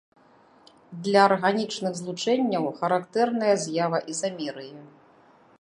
Для арганічных злучэнняў характэрная з'ява ізамерыі.